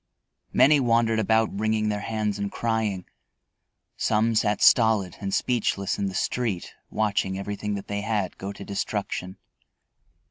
Many wandered about wringing their hands and crying; some sat stolid and speechless in the street watching everything that they had go to destruction.